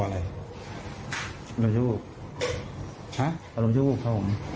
อารมณ์ชั่วบูบครับผม